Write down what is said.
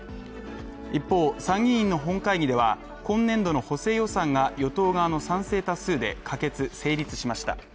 一方、参議院の本会議では、今年度の補正予算が、与党側の賛成多数で可決、成立しました。